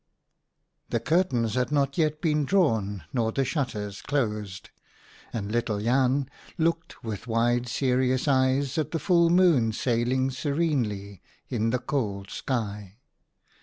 The curtains had not yet been drawn nor the shutters closed, and little Jan looked with wide serious eyes at the full moon sailing serenely in the cold sky.